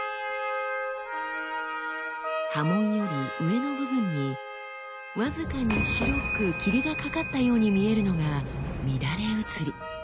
刃文より上の部分に僅かに白く霧がかかったように見えるのが「乱れ映り」。